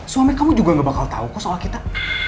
suami kamu juga gak bakal tahu kok soal kita